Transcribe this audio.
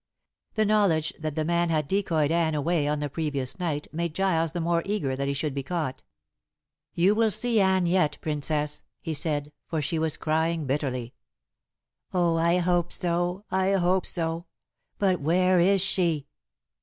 The knowledge that the man had decoyed Anne away on the previous night made Giles the more eager that he should be caught. "You will see Anne yet, Princess," he said, for she was crying bitterly. "Oh, I hope so I hope so. But where is she?"